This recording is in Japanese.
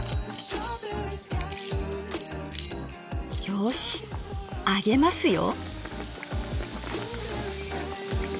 よし揚げますよ。